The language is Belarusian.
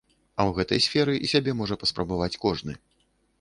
А ў гэтай сферы сябе можа паспрабаваць кожны.